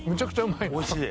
おいしい？